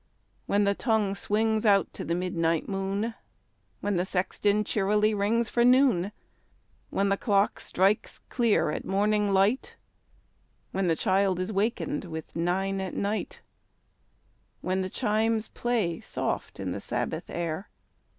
When the tonirue swino;s out to the midnin; ht moon— When the sexton checrly rings for noon — When the clock strikes clear at morning light — When the child is waked with " nine at night" — When the chimes play soft in the Sabbath air.